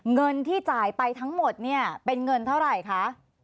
เงินที่จ่ายไปทั้งหมดเนี่ยเป็นเงินเท่าไหร่คะ